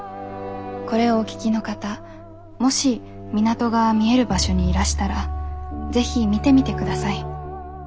これをお聴きの方もし港が見える場所にいらしたら是非見てみてください。